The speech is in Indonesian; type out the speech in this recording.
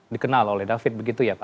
dikenal oleh david begitu ya pak